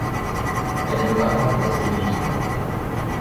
en em lakaat a-zevri da